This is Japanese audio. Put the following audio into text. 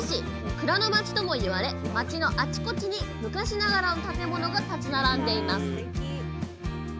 「蔵の街」とも言われ街のあちこちに昔ながらの建物が立ち並んでいます